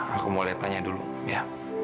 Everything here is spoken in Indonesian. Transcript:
aku mau lihat tanya dulu ya